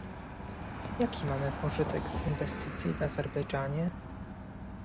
Jaki mamy pożytek z inwestycji w Azerbejdżanie?